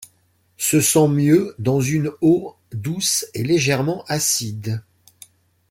Se sent mieux dans une eau douce et légèrement acide.